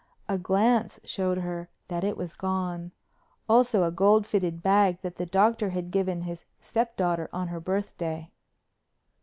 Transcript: A glance showed her that was gone, also a gold fitted bag that the Doctor had given his stepdaughter on her birthday.